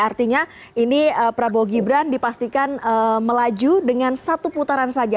artinya ini prabowo gibran dipastikan melaju dengan satu putaran saja